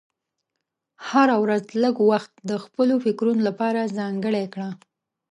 هره ورځ لږ وخت د خپلو فکرونو لپاره ځانګړی کړه.